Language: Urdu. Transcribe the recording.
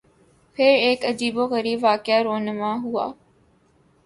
پھر ایک عجیب و غریب واقعہ رُونما ہوا